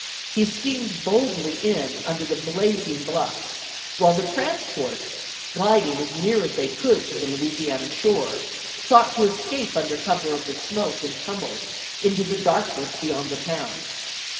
He steamed boldly in under the blazing bluffs, while the transports, gliding as near as they could to the Louisiana shore, sought to escape under cover of the smoke and tumult into the darkness beyond the town.